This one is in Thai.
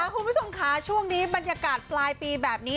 คุณผู้ชมค่ะช่วงนี้บรรยากาศปลายปีแบบนี้